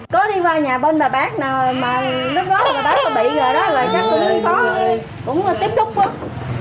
có đi qua nhà bên bà bác mà lúc đó bà bác bị rồi đó rồi chắc cũng không có cũng tiếp xúc quá